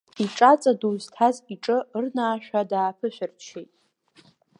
Иҿаҵа ду зҭаз иҿы ырнаашәа дааԥышәырччеит.